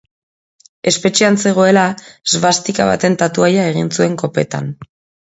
Espetxean zegoela, svastika baten tatuaia egin zuen kopetan.